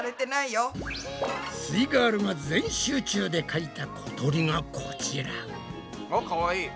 イガールが全集中でかいた小鳥がこちら！あっかわいい。